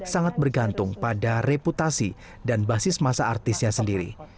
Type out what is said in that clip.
sangat bergantung pada reputasi dan basis masa artisnya sendiri